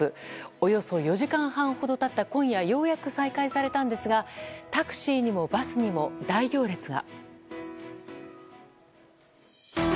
およそ４時間半ほど経った今夜ようやく再開されたんですがタクシーにもバスにも大行列が。